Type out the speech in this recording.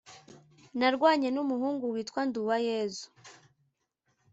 “Narwanye n’umuhungu witwa Nduwayezu